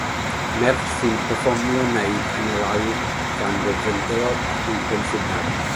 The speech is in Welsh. Merch sy'n perfformio naid yn yr awyr gan ddefnyddio rhuban sidan.